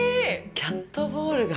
キャットボウルが。